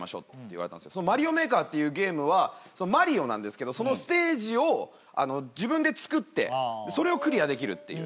『マリオメーカー』っていうゲームは『マリオ』なんですけどそのステージを自分で作ってそれをクリアできるっていう。